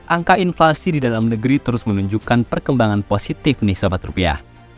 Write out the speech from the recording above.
angka inflasi di dalam negeri terus menunjukkan perkembangan positif nih sahabat rupiah